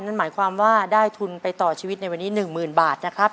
นั่นหมายความว่าได้ทุนไปต่อชีวิตในวันนี้๑๐๐๐บาทนะครับ